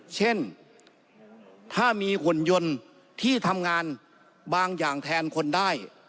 เช่นถ้ามีหุ่นยนต์ที่ทำงานบางอย่างแทนคนได้